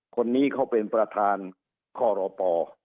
คนนี้เขาเป็นประธานข้อรป